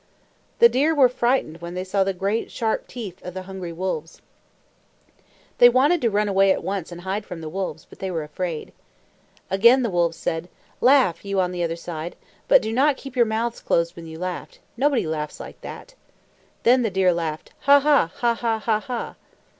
The deer were frightened when they saw the great, sharp teeth of the hungry wolves. They wanted to run away at once and hide from the wolves, but they were afraid. Again the wolves said, "Laugh, you on the other side! But do not keep your mouths closed when you laugh. Nobody laughs like that." Then the deer laughed, "Ha, ha, ha, ha, ha!"